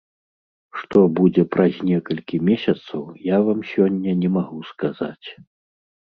Што будзе праз некалькі месяцаў, я вам сёння не магу сказаць.